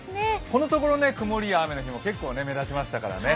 このところ曇りや雨の日も、結構目立ちましたからね。